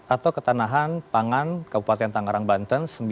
atau ketanahan pangan kabupaten tangerang banten